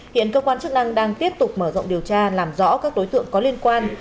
hiện cơ quan chức năng đang tiếp tục mở rộng điều tra làm rõ các đối tượng có liên quan